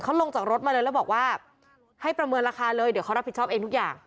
เขาลงจากรถมาเลยแล้วบอกว่าให้ประเมินราคาเลยเดี๋ยวเขารับผิดชอบเองทุกอย่าง